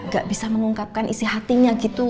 gak bisa mengungkapkan isi hatinya gitu